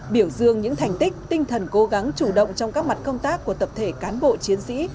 biểu dương những thành tích tinh thần cố gắng chủ động trong các mặt công tác của tập thể cán bộ chiến sĩ